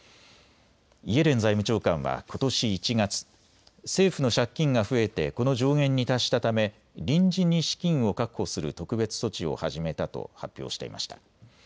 イエレン財務長官はことし１月、政府の借金が増えてこの上限に達したため臨時に資金を確保する特別措置を始めたと発表していました。